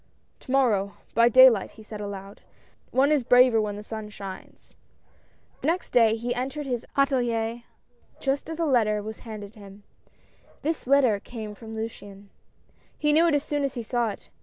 " To morrow, by day light I " he said aloud, " one is braver when the sun shines." LUCIAN e's letter. 185 The next day he entered his atSlier just as a letter was handed him. This letter came from Luciane. He knew it as soon as he saw it.